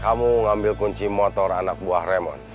kamu ngambil kunci motor anak buah ramon